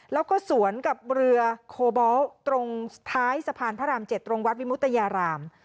แล้วก็สวนกับเรือโคบอลตรงท้ายสะพานพระราม๗ตรงวัดวิมุตยาราม